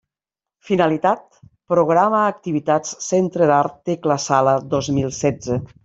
Finalitat: programa activitats Centre d'Art Tecla Sala dos mil setze.